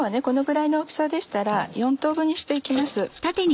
このぐらいの大きさでしたら４等分にして行きます。